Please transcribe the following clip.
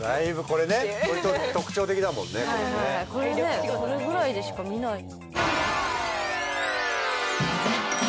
これねそれぐらいでしか見ない。